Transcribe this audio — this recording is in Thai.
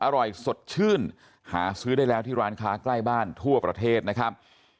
อร่อยสดชื่นหาซื้อได้แล้วที่ร้านค้าใกล้บ้านทั่วประเทศนะครับ